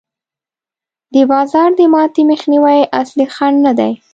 د بازار د ماتې مخنیوی اصلي خنډ نه دی.